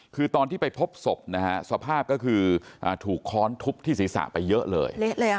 คือตอนที่ไปพบศพนะฮะสภาพก็คือถูกค้อนทุบที่ศีรษะไปเยอะเลย